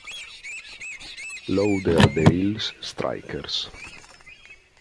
Lauderdale's Strikers.